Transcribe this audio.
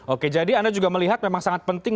oke jadi anda juga melihat memang sangat penting